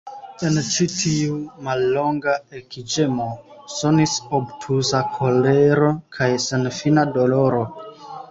En ĉi tiu mallonga ekĝemo sonis obtuza kolero kaj senfina doloro.